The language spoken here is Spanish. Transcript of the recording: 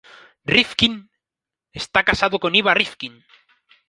Rifkin está casado con Iva Rifkin.